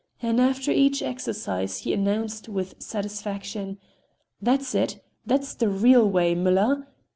And after each exercise he announced, with satisfaction: "That's it! That's the real way, Müller!"